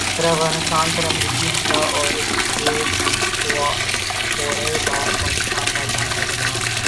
پھر افغانستان پر امریکی حملہ اور اسکے فورا بعد پاکستانی طالبان کا قیام ۔